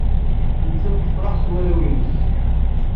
Nettat tefreḥ s warraw-nnes.